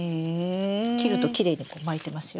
切るときれいにこう巻いてますよ。